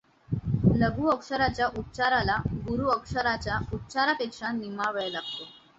लघु अक्षराच्या उच्चाराला गुरू अक्षराच्या उच्चारापेक्षा निम्मा वेळ लागतो.